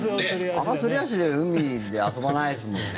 あまり、すり足で海で遊ばないですもんね。